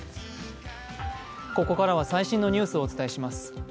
ここからは最新のニュースをお伝えします。